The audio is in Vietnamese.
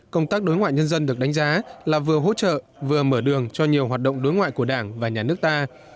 công tác đối ngoại nhân dân được đánh giá là vừa hỗ trợ vừa mở đường cho nhiều hoạt động đối ngoại của đảng và nhà nước ta